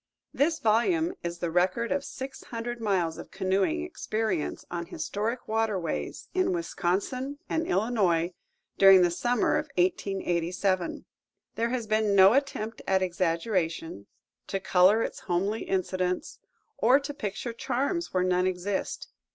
This volume is the record of six hundred miles of canoeing experiences on historic waterways in Wisconsin and Illinois during the summer of 1887. There has been no attempt at exaggeration, to color its homely incidents, or to picture charms where none exist.